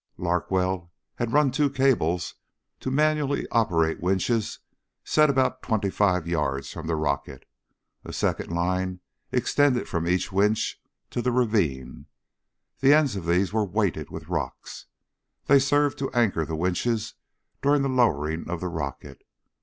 Larkwell had run two cables to manually operated winches set about twenty five yards from the rocket. A second line extended from each winch to the ravine. The ends of these were weighted with rocks. They served to anchor the winches during the lowering of the rocket.